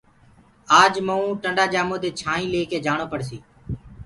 آج مئونٚ ٽندآ جآمو دي ڪآئينٚ ليڪي جآڻو پڙسيٚ